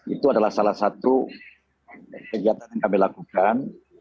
itu adalah salah satu kegiatan yang kami lakukan